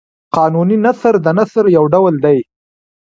قانوني نثر د نثر یو ډول دﺉ.